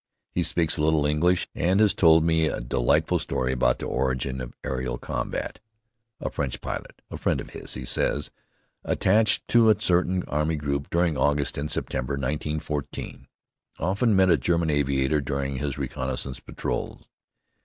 He speaks a little English and has told me a delightful story about the origin of aerial combat. A French pilot, a friend of his, he says, attached to a certain army group during August and September, 1914, often met a German aviator during his reconnaissance patrols.